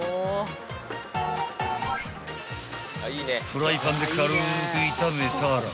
［フライパンで軽く炒めたら］